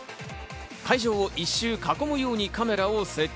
会場を一周囲むようにカメラを設置。